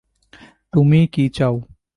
তুমি কী চাও?